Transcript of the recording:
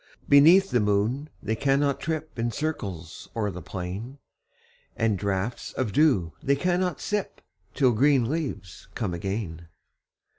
Beneath the moon they cannot trip In circles o'er the plain ; And draughts of dew they cannot sip, Till green leaves come again.